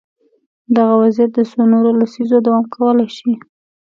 دغه وضعیت د څو نورو لسیزو دوام کولای شي.